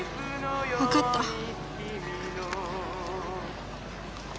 わかった。